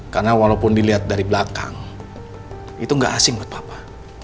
karena walaupun dilihat dari belakang itu gak asing buat papa